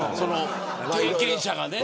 経験者がね。